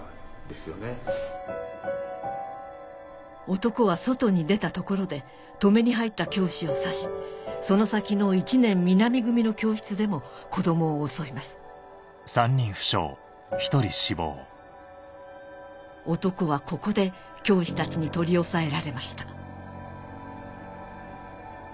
男は外に出たところで止めに入った教師を刺しその先の１年南組の教室でも子どもを襲います男はここで教師たちに取り押さえられました